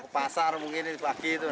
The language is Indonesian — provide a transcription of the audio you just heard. ke pasar mungkin di pagi itu lah